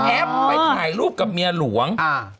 แอบไปถ่ายรูปกับเมียหลวง